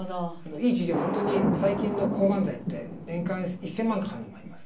いい治療は本当に最近の抗がん剤って年間１，０００万かかるのもあります。